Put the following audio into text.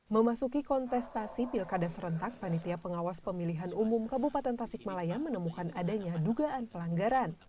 memasuki kontestasi pilkada serentak panitia pengawas pemilihan umum kabupaten tasikmalaya menemukan adanya dugaan pelanggaran